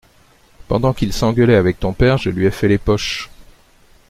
Pendant qu’il s’engueulait avec ton père, je lui ai fait les poches.